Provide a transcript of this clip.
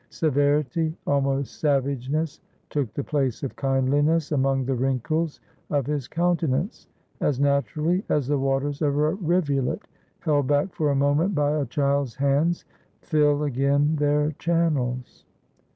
Severity, almost savageness, took the place of kindliness among the wrinkles of his countenance, as naturally as the waters of a rivulet, held back for a moment by a child's hands, fill again their channels.